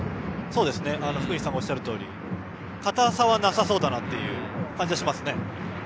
福西さんがおっしゃるとおり硬さはなさそうな感じですね。